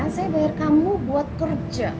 saya bayar kamu buat kerja